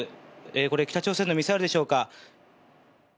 これは北朝鮮のミサイルでしょうか。